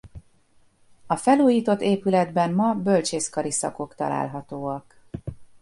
A felújított épületben ma bölcsészkari szakok találhatóak.